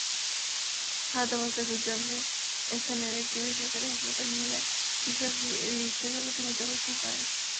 আহতাবস্থায় দুজনকে স্থানীয় একটি বেসরকারি হাসপাতালে নিলে চিকিৎসক রিকশাচালককে মৃত ঘোষণা করেন।